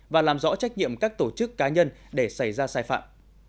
và làm rõ trách nhiệm các tổ chức cá nhân để xảy ra sai phạm